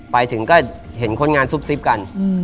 ไปถึงก็เห็นคนงานซุบซิบกัน